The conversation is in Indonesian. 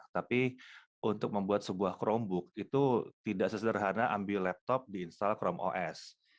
tapi untuk membuat sebuah chromebook itu tidak sesederhana ambil laptop di install chrome os